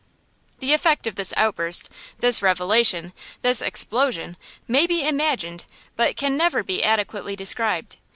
The effect of this outburst, this revelation, this explosion, may be imagined but can never be adequately described.